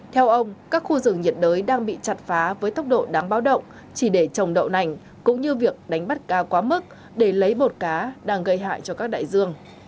theo ông các khu rừng nhiệt đới đang bị chặt phá với tốc độ đáng báo động chỉ để trồng đậu nành cũng như việc đánh bắt cá quá mức để lấy bột cá đang gây hại cho các đại dương